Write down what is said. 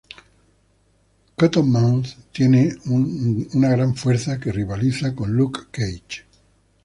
Cottonmouth tiene una gran fuerza que rivaliza con Luke Cage.